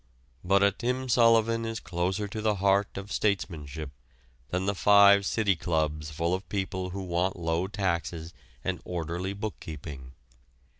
But a Tim Sullivan is closer to the heart of statesmanship than five City Clubs full of people who want low taxes and orderly bookkeeping.